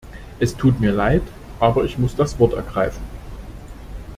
Es tut mir leid, aber ich muss das Wort ergreifen.